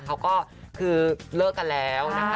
เขาก็คือเลิกกันแล้วนะคะ